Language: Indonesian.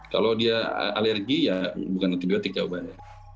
kalau dia alergi ya bukan antibiotik ya obatnya